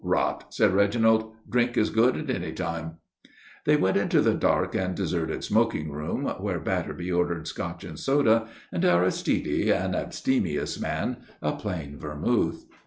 "Rot!" said Reginald. "Drink is good at any time." They went into the dark and deserted smoking room, where Batterby ordered Scotch and soda and Aristide, an abstemious man, a plain vermouth.